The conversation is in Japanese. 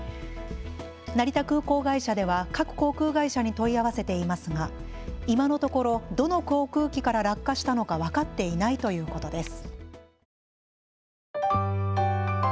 成田空港会社では各航空会社に問い合わせていますが今のところどの航空機から落下したのか分かっていないということです。